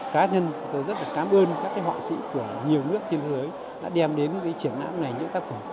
cá nhân tôi rất là cảm ơn các cái họa sĩ của nhiều nước trên thế giới đã đem đến cái triển nãm này những tác phẩm tuyệt vời